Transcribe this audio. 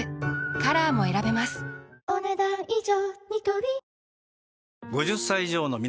カラーも選べますお、ねだん以上。